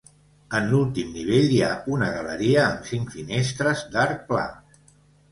En l'últim nivell hi ha una galeria amb cinc finestres d'arc pla.